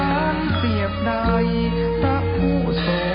ทรงเป็นน้ำของเรา